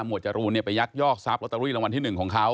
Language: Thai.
จรูนไปยักยอกทรัพย์ลอตเตอรี่รางวัลที่๑ของเขา